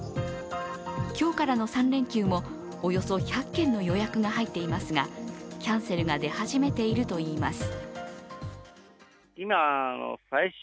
今日からの３連休もおよそ１００件の予約が入っていますがキャンセルが出始めているといいます。